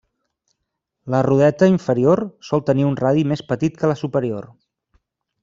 La rodeta inferior sol tenir un radi més petit que la superior.